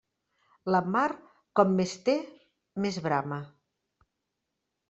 La mar, com més té, més brama.